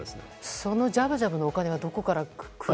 そのジャブジャブのお金はどこから来るのか。